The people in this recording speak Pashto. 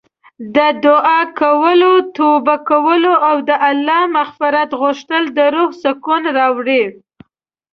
د دعا کولو، توبه کولو او د الله مغفرت غوښتل د روح سکون راوړي.